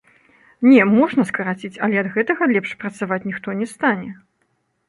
Не, можна скараціць, але ад гэтага лепш працаваць ніхто не стане.